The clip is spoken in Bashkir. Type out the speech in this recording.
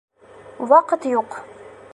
Ваҡыт юҡ.